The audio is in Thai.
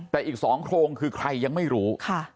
แต่อีก๒โครงคือใครยังไม่รู้